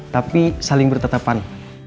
tapi saling bertetapan